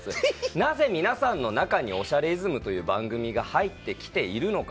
なぜ皆さんの中に『おしゃれイズム』という番組が入って来ているのか？